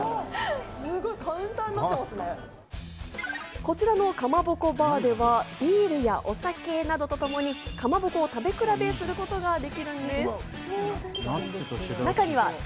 こちらの、かまぼこバーではビールやお酒などとともに、かまぼこを食べくらべすることができるんです。